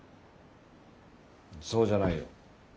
そうじゃないよ。